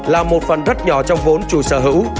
là một phần rất nhỏ trong vốn chủ sở hữu